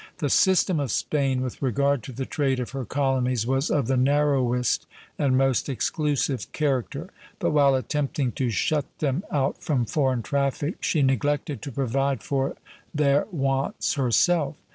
The system of Spain with regard to the trade of her colonies was of the narrowest and most exclusive character; but, while attempting to shut them out from foreign traffic, she neglected to provide for their wants herself.